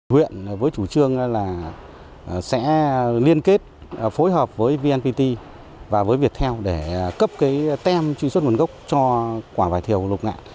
huyện với chủ trương là sẽ liên kết phối hợp với vnpt và với viettel để cấp cái tem truy xuất nguồn gốc cho quả vải thiều lục ngạn